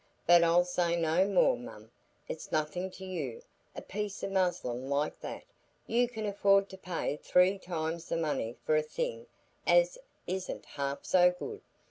But I'll say no more, mum; it's nothing to you, a piece o' muslin like that; you can afford to pay three times the money for a thing as isn't half so good.